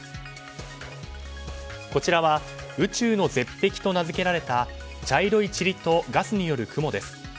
こちらは宇宙の絶壁と名づけられた茶色いチリとガスによる雲です。